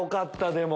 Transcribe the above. でも。